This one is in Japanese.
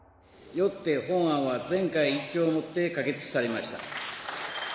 よって法案は全会一致をもって可決されました。